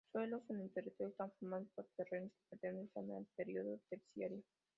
Suelos: El territorio está conformado por terrenos que pertenecen al periodo terciario.